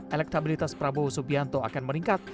elektabilitas prabowo subianto akan meningkat